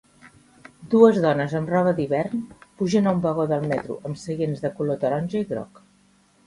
Dues dones amb roba d'hivern pugen a un vagó del metro amb seients de color taronja i groc.